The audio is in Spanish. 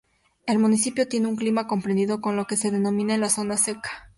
El municipio tiene un clima comprendido en lo que se denomina la zona seca.